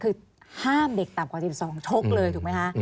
คือห้ามเด็กต่ำกว่า๑๒ชกเลยถูกไหมคะ